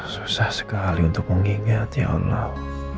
susah sekali untuk mengingat ya allah